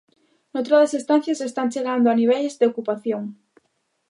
Noutra das estancias están chegando a niveis de ocupación.